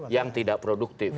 yang tidak produktif